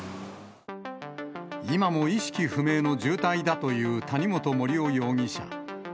今も意識不明の重体だという谷本盛雄容疑者。